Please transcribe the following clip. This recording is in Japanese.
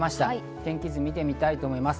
天気図を見てみたいと思います。